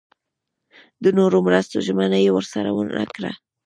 د نورو مرستو ژمنه یې ورسره ونه کړه.